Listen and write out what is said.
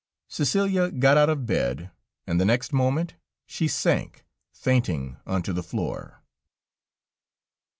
Cæcelia got out of bed, and the next moment she sank fainting onto the floor.